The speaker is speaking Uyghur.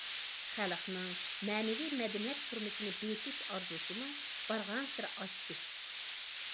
خەلقنىڭ مەنىۋى مەدەنىيەت تۇرمۇشىنى بېيىتىش ئارزۇسىمۇ بارغانسېرى ئاشتى.